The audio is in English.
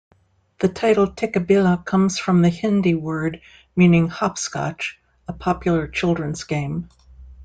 The title "Tikkabilla" comes from the Hindi word meaning "Hopscotch", a popular children's game.